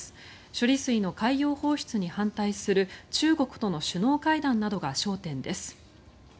処理水の海洋放出に反対する中国との首脳会談などが焦点です。